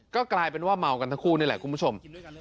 ก็กลายเป็นว่าเมากันทั้งคู่นี่แหละคุณผู้ชม